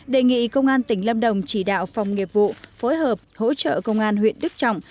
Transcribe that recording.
đề nghị công an tỉnh lâm đồng chỉ đạo phòng nghiệp vụ phối hợp hỗ trợ công an huyện đức trọng